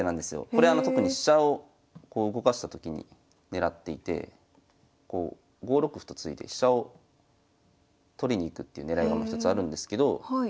これあの特に飛車をこう動かしたときに狙っていて５六歩と突いて飛車を取りに行くっていう狙いが一つあるんですけど